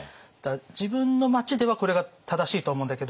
自分の町ではこれが正しいと思うんだけど